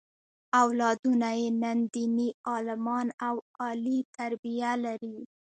اولادونه یې نن دیني عالمان او عالي تربیه لري.